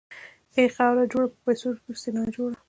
اې له خاورو جوړه، په پيسو پسې ناجوړه !